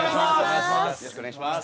よろしくお願いします！